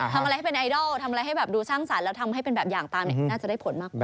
ทำอะไรให้เป็นไอดอลทำอะไรให้แบบดูสร้างสรรค์แล้วทำให้เป็นแบบอย่างตามน่าจะได้ผลมากกว่า